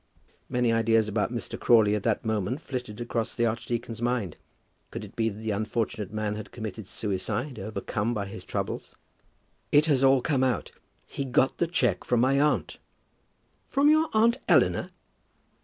Many ideas about Mr. Crawley at that moment flitted across the archdeacon's mind. Could it be that the unfortunate man had committed suicide, overcome by his troubles? "It has all come out. He got the cheque from my aunt." "From your aunt Eleanor?"